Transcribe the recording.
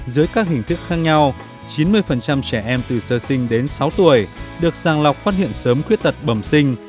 dưới các hình thức khác nhau chín mươi trẻ em từ sơ sinh đến sáu tuổi được sàng lọc phát hiện sớm khuyết tật bẩm sinh